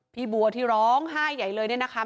พี่บัวที่ร้องไห้ใหญ่เลยเนี่ยนะคะ